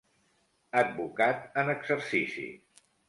Advocat en exercici.